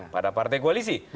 pada partai koalisi